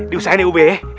diusahain ya ub ya